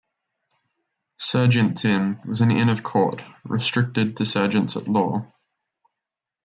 Serjeant's Inn was an Inn of Court restricted to Serjeants-at-Law.